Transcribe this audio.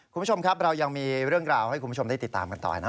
คุณผู้ชมครับเรายังมีเรื่องราวให้คุณผู้ชมได้ติดตามกันต่อนะ